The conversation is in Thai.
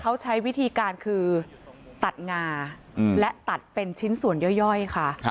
เขาใช้วิธีการคือตัดงาและตัดเป็นชิ้นส่วนย่อยค่ะ